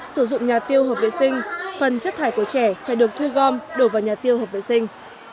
sử dụng nhà tiêu hợp vệ sinh phần chất thải của trẻ phải được thu gom đổ vào nhà tiêu hợp vệ sinh